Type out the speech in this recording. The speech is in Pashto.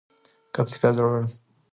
که کپتان زړور وي نو کښتۍ نه ډوبیږي.